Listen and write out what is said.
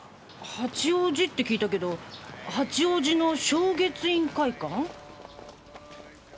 八王子って聞いたけど八王子の昌月院会館。